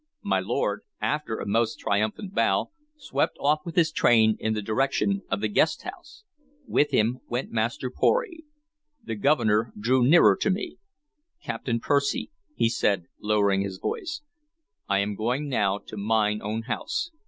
My lord, after a most triumphant bow, swept off with his train in the direction of the guest house. With him went Master Pory. The Governor drew nearer to me. "Captain Percy," he said, lowering his voice, "I am going now to mine own house.